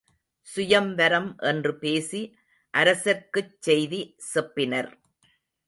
சுயம்வரம் என்று பேசி அரசர்க்குச் செய்தி செப்பினர்.